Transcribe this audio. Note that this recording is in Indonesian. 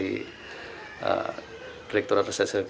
ickenko terdetekti keluar dari rumah mereka